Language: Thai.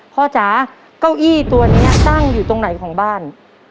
จ๋าเก้าอี้ตัวนี้ตั้งอยู่ตรงไหนของบ้าน